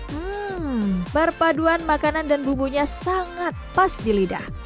hmm perpaduan makanan dan bumbunya sangat pas di lidah